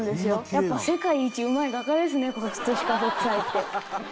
やっぱ世界一うまい画家ですね飾北斎って。